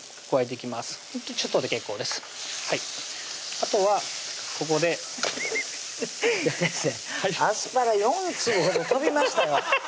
あとはここでフフフフッ先生アスパラ４粒ほど飛びましたよ